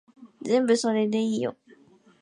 全部それでいいよ